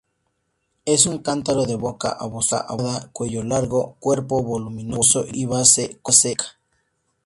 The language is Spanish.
Es un cántaro de boca abocinada, cuello largo, cuerpo voluminoso y base cónica.